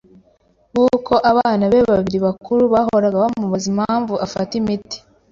w’uko abana be babiri bakuru bahoraga bamubaza impamvu afata imiti,